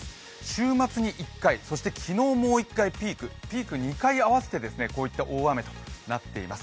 週末に１回そして昨日もう一回ピーク、ピーク２回合わせてこういった大雨となっています。